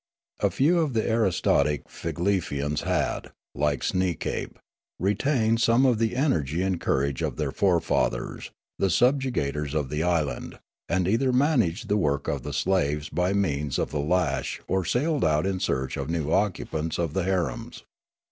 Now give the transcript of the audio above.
A few of the aristocratic Figlefians had, like Sneekape, retained some of the energy and courage of their forefathers, the subjugators of the island, and either managed the work of the slaves by means of the lash or sailed out in search of new occupants of the harems.